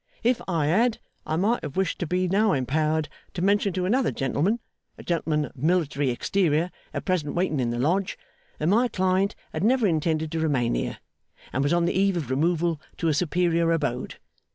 If I had, I might have wished to be now empowered to mention to another gentleman, a gentleman of military exterior at present waiting in the Lodge, that my client had never intended to remain here, and was on the eve of removal to a superior abode.